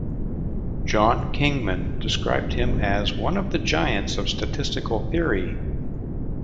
John Kingman described him as "one of the giants of statistical theory".